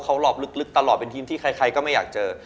เขาหลอบลึกตลอดเป็นทีมที่ใครก็ไม่อยากเจอ